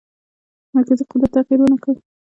مرکزي قدرت تغییر ونه کړ.